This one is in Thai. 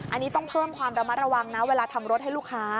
อันนี้ต้องเพิ่มความระมัดระวังนะเวลาทำรถให้ลูกค้า